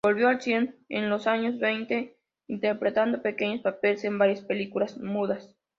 Volvió al cine en los años veinte, interpretando pequeños papeles en varias películas mudas.